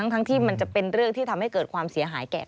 ทั้งที่มันจะเป็นเรื่องที่ทำให้เกิดความเสียหายแก่